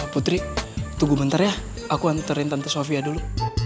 putri tunggu bentar ya aku antarin tante sofia dulu